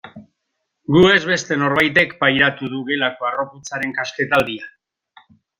Gu ez beste norbaitek pairatu du gelako harroputzaren kasketaldia.